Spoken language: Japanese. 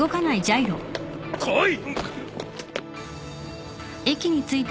来い！